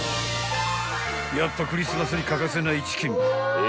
［やっぱクリスマスに欠かせないチキン］